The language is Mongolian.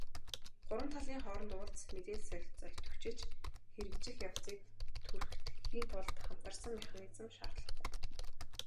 Гурван талын хооронд уулзалт, мэдээлэл солилцоо идэвхжиж, хэрэгжих явцыг түргэтгэхийн тулд хамтарсан механизм шаардлагатай.